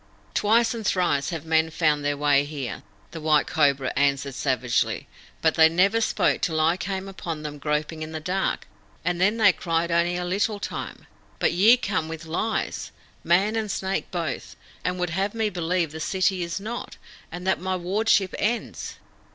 "Twice and thrice have men found their way here," the White Cobra answered savagely; "but they never spoke till I came upon them groping in the dark, and then they cried only a little time. But ye come with lies, Man and Snake both, and would have me believe the city is not, and that my wardship ends.